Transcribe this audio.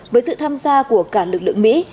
với sự tham gia của cả lực lượng mỹ